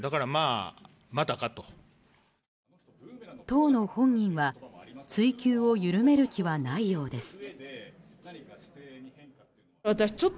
当の本人は追及を緩める気はないようです。